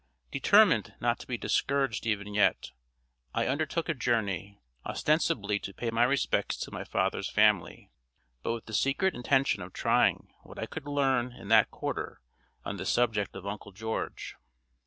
Determined not to be discouraged even yet, I undertook a journey, ostensibly to pay my respects to my father's family, but with the secret intention of trying what I could learn in that quarter on the subject of Uncle George.